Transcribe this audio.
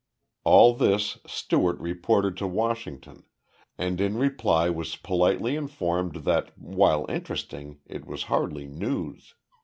All this Stewart reported to Washington, and in reply was politely informed that, while interesting, it was hardly news.